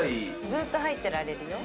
ずっと入ってられるよ。